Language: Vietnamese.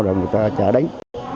rồi người ta trả đánh